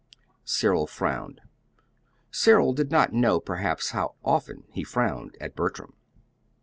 Cyril frowned. Cyril did not know, perhaps, how often he frowned at Bertram.